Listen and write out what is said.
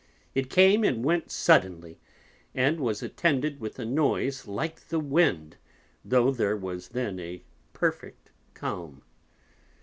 It came and went suddenly, and was attended with a Noise like the Wind, though there was then a perfect Calm.'